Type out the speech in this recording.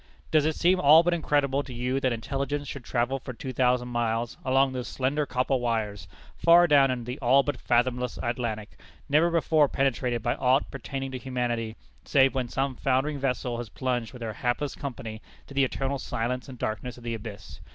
Does it seem all but incredible to you that intelligence should travel for two thousand miles, along those slender copper wires, far down in the all but fathomless Atlantic, never before penetrated by aught pertaining to humanity, save when some foundering vessel has plunged with her hapless company to the eternal silence and darkness of the abyss?